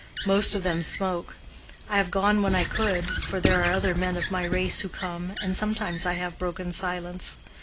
Most of them smoke. I have gone when I could, for there are other men of my race who come, and sometimes I have broken silence.